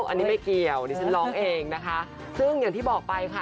อันนี้ไม่เกี่ยวดิฉันร้องเองนะคะซึ่งอย่างที่บอกไปค่ะ